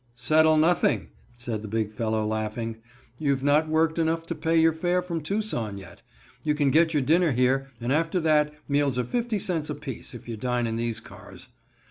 "Settle nothing," said the big fellow, laughing. "You've not worked enough to pay your fare from Tucson yet. You can get your dinner here, and after that, meals are fifty cents apiece, if you dine in these cars."